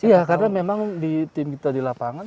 ya karena memang tim kita di lapangan